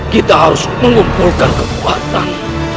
kita harus mengumpulkan kekuatan